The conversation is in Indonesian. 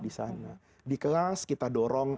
di sana di kelas kita dorong